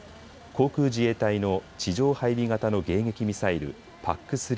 航空自衛隊の地上配備型の迎撃ミサイル、ＰＡＣ３。